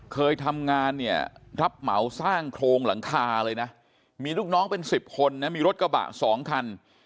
เคยทำงานเนี่ยรับเหมาสร้างโครงหลังคาเลยนะมีลูกน้องเป็น๑๐คนนะมีรถกระบะ๒คัน